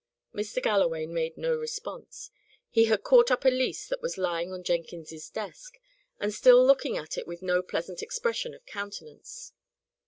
Mr. Galloway made no response. He had caught up a lease that was lying on Jenkins's desk, and stood looking at it with no pleasant expression of countenance.